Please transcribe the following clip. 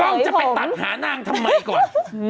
กล่องจะไปตัดห้านางทำไมก่ว่ะ